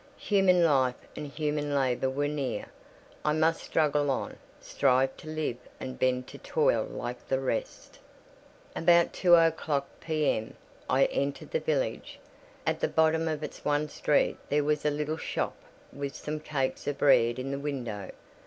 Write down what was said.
Human life and human labour were near. I must struggle on: strive to live and bend to toil like the rest. About two o'clock P.M. I entered the village. At the bottom of its one street there was a little shop with some cakes of bread in the window.